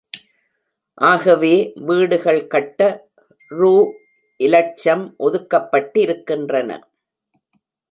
ஆகவே வீடுகள் கட்ட ரூ இலட்சம் ஒதுக்கப்பட்டிருக்கின்றன.